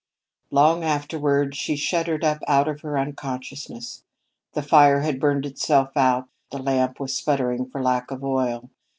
Long afterward, she shuddered up out of her unconsciousness. The fire had burned itself out; the lamp was sputtering for lack of oil.